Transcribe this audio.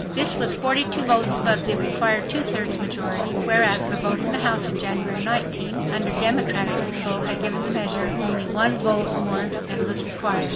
This was 42 votes above the required two thirds majority, whereas the vote in the House in January, 1918, under Democratic control had given the measure only one vote more than was required.